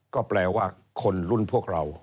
ก็แปลว่าคนรุ่นพวกเรา